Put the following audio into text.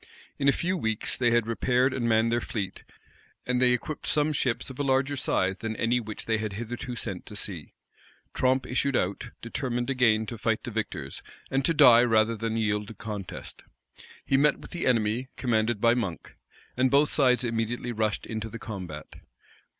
In a few weeks, they had repaired and manned their fleet; and they equipped some Ships of a larger size than any which they had hitherto sent to sea. Tromp issued out, determined again to fight the victors, and to die rather than to yield the contest. He met with the enemy, commanded by Monk; and both sides immediately rushed into the combat.